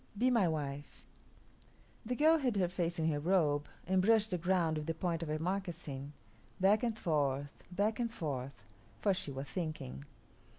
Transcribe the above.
Be my wife." The girl hid her face in her robe and brushed the ground with the point of her moccasin, back and forth, back and forth, for she was thinking.